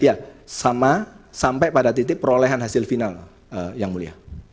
ya sama sampai pada titik perolehan hasil final yang mulia